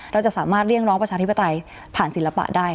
เราจะสามารถเรียกร้องประชาธิปไตยผ่านศิลปะได้